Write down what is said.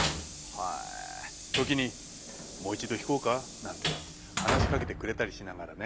時に「もう一度弾こうか？」なんて話しかけてくれたりしながらね。